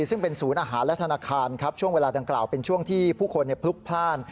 ซึ่งเป็นศูนย์อาหารและธนาคารครับช่วงเวลาดังกล่าวเป็นช่วงที่ผู้คนพลุกพลาด